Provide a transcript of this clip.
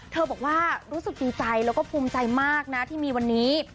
เธอบอกว่ารู้สึกดีใจและภูมิใจมากที่มีวันนี้